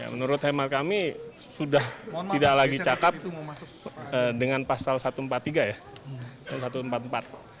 menurut hemat kami sudah tidak lagi cakap dengan pasal satu ratus empat puluh tiga ya dan satu ratus empat puluh empat